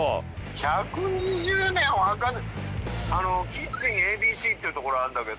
「キッチンＡＢＣ」っていうところあるんだけど。